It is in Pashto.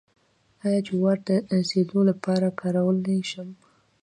آیا جوار د سیلو لپاره کارولی شم؟